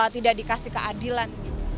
tidak dikasih keadilan